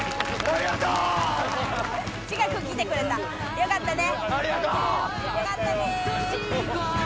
よかったね。